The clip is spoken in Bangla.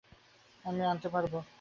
আমি আনতে পারব।